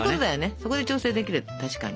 そこで調整できる確かに。